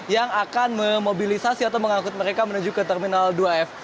yang akan memobilisasi atau mengangkut mereka menuju ke terminal dua f